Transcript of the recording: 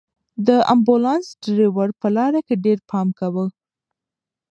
د امبولانس ډرېور په لاره کې ډېر پام کاوه.